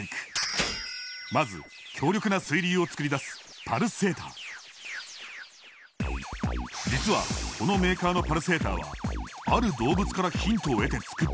まず強力な水流を作り出す実はこのメーカーのパルセーターはある動物からヒントを得て作ったそうだ。